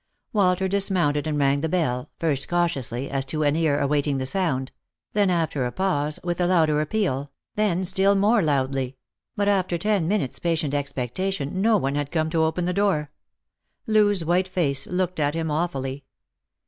Walter dismounted and rang .the bell, first cautiously, as to an ear awaiting the sound ; then, after a pause, with a louder appeal ; then still more loudly ; but after ten minutes' patient expectation no one had come to open the door. Loo's white face looked at him awfully.